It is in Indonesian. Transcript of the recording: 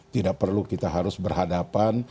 tidak perlu kita harus berhadapan